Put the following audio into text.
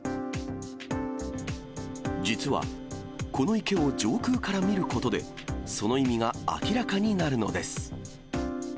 実は、この池を上空から見ることで、その意味が明らかになるのです。